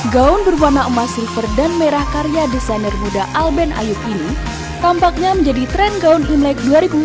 gaun berwarna emas river dan merah karya desainer muda alben ayub ini tampaknya menjadi tren gaun imlek dua ribu dua puluh